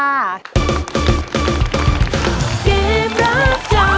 อ่า